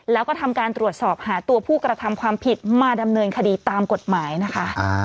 แล้วก็ทำการตรวจสอบหาตัวผู้กระทำความผิดมาดำเนินคดีตามกฎหมายนะคะ